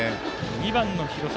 ２番の廣崎。